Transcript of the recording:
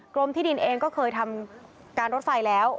กรมที่ดินเองก็เคยทำการรถไฟแล้ว